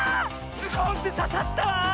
ズコンってささったわ！